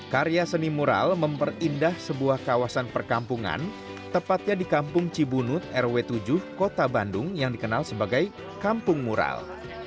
karya seni mural memperindah sebuah kawasan perkampungan tepatnya di kampung cibunut rw tujuh kota bandung yang dikenal sebagai kampung mural